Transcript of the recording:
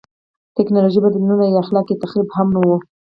ټکنالوژیکي بدلونونه یا خلاق تخریب هم نه و.